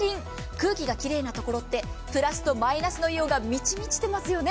空気がきれいな所ってプラスとマイナスのイオンが満ち満ちてますよね。